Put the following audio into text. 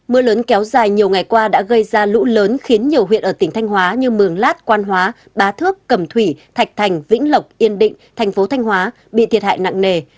mưa lớn kéo dài nhiều ngày qua đã gây ra lũ lớn khiến nhiều huyện ở tỉnh thanh hóa như mường lát quan hóa bá thước cẩm thủy thạch thành vĩnh lộc yên định thành phố thanh hóa bị thiệt hại nặng nề